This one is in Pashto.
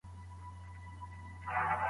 ډینامیک لیدلوری د حرکت نښه ده.